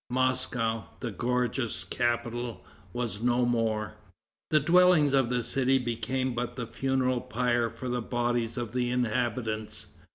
Moscow, the gorgeous capital, was no more. The dwellings of the city became but the funeral pyre for the bodies of the inhabitants.